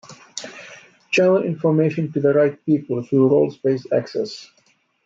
Channel information to the right people through roles-based access.